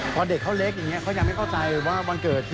พอเด็กเขาเล็กอย่างนี้เขายังไม่เข้าใจว่าวันเกิด